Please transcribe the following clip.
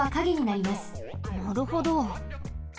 なるほど。